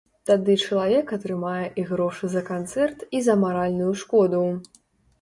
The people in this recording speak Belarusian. Тады чалавек атрымае і грошы за канцэрт, і за маральную шкоду.